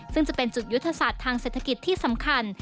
ซึ่งจะเป็นจุดยุทธศาสตร์ทางเศรษฐกิจที่สำคัญ